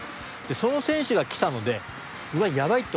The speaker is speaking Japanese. その選手が来たのでうわっやばいって